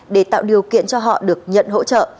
để tạo điều kiện cho họ được nhận hỗ trợ